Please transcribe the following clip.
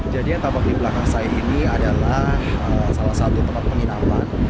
jadi yang tampak di belakang saya ini adalah salah satu tempat penginapan